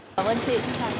cảm ơn chị